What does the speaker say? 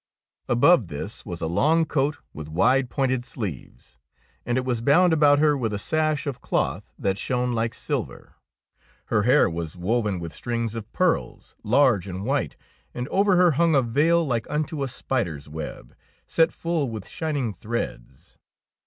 Above this was a long coat with wide pointed sleeves, and it was bound about her with a sash of cloth that shone like silver. Her hair was woven with strings of pearls, large and white, and over her hung a veil like unto a spider^s web, set full with shining threads.